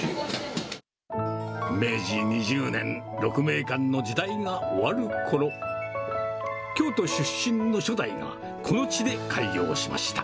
明治２０年鹿鳴館の時代が終わるころ、京都出身の初代が、この地で開業しました。